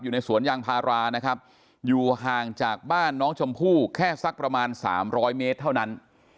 อยู่ในสวนยางพารานะครับอยู่ห่างจากบ้านน้องชมพู่แค่สักประมาณ๓๐๐เมตรเท่านั้น